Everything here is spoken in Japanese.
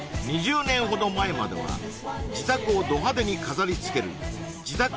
２０年ほど前までは自宅をド派手に飾り付ける自宅